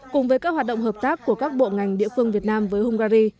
cùng với các hoạt động hợp tác của các bộ ngành địa phương việt nam với hungary